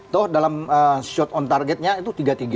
tuh dalam shot on targetnya itu tiga tiga